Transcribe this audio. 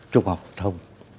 trung học phổ thông